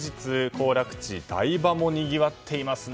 行楽地台場もにぎわっていますね。